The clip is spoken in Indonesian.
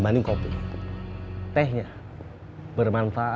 jangan lupa dekatkan berlin